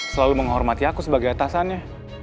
selalu menghormati aku sebagai atasannya